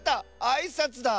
あいさつだ。